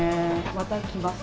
また来ます。